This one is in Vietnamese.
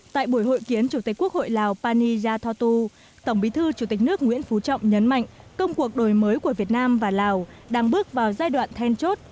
tại buổi hội kiến chủ tịch quốc hội lào pani yathotu tổng bí thư chủ tịch nước nguyễn phú trọng nhấn mạnh công cuộc đổi mới của việt nam và lào đang bước vào giai đoạn then chốt